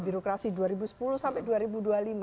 birokrasi dua ribu sepuluh sampai dua ribu dua puluh lima